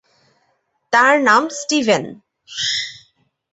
তার নাম স্টিভেন।